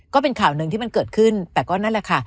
ก็เป็นข่าวหนึ่งที่มันเกิดขึ้นแต่ก็นั่นแหละค่ะ